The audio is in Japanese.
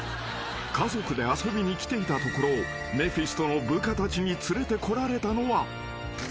［家族で遊びに来ていたところをメフィストの部下たちに連れてこられたのは］